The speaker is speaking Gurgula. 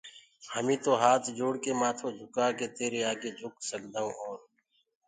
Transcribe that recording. هميٚ تو هآت جوڙّڪي مآٿو جھڪآڪي تيري آگي جھڪ سگدآئو اور